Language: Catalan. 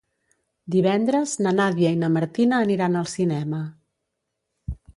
Divendres na Nàdia i na Martina aniran al cinema.